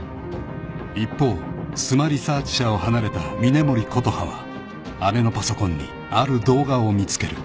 ［一方スマ・リサーチ社を離れた峰森琴葉は姉のパソコンにある動画を見つける］